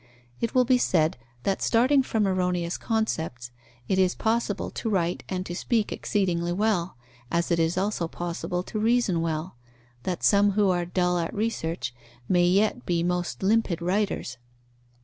It will be said that starting from erroneous concepts it is possible to write and to speak exceedingly well, as it is also possible to reason well; that some who are dull at research may yet be most limpid writers.